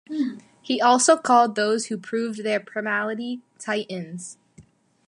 He also called those who proved their primality "titans".